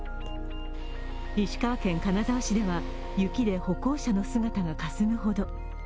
石川県金沢市では雪で歩行者の姿がかすむほど。